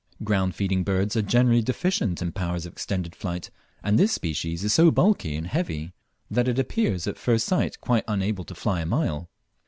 Ground feeding birds are generally deficient in power of extended flight, and this species is so bulky and heavy that it appears at first sight quite unable to fly a mile.